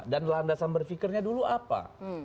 dan landasan berfikirnya dulu apa